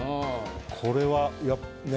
これはね